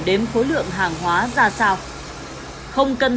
đấy nó theo hai trường hợp